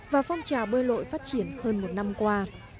và phong trào bơi lội phát triển hơn một năm qua